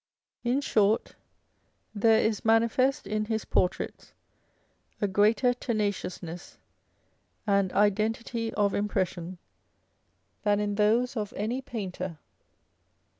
In short, there is manifest in his portraits a greater tenaciousness and identity of impression than in those of any painter.